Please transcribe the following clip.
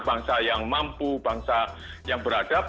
bangsa yang mampu bangsa yang beradab